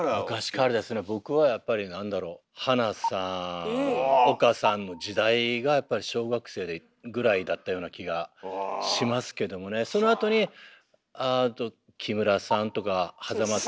僕はやっぱり何だろう花さん岡さんの時代がやっぱり小学生ぐらいだったような気がしますけどもねそのあとに木村さんとか間さん。